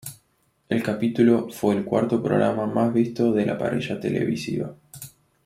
El capítulo fue el cuarto programa más visto de la parrilla televisiva.